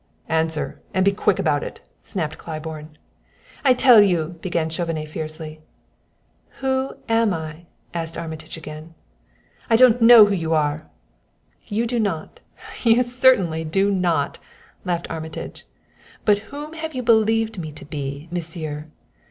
"Answer and be quick about it!" snapped Claiborne. "I tell you" began Chauvenet fiercely. "Who am I?" asked Armitage again. "I don't know who you are " "You do not! You certainly do not!" laughed Armitage; "but whom have you believed me to be, Monsieur?"